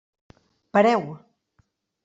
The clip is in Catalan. Pareu!